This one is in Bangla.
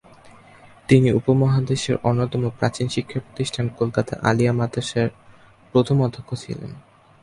তিনি উপমহাদেশের অন্যতম প্রাচীন শিক্ষাপ্রতিষ্ঠান কলকাতা আলিয়া মাদ্রাসা প্রথম অধ্যক্ষ ছিলেন।